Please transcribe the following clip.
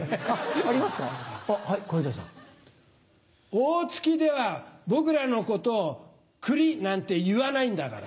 大月では僕らのことをクリなんて言わないんだから。